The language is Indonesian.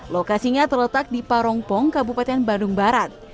lokasinya terletak di parongpong kabupaten bandung barat